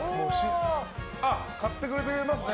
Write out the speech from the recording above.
買ってくれてますね。